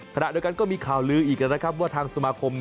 ขณะเดียวกันก็มีข่าวลืออีกนะครับว่าทางสมาคม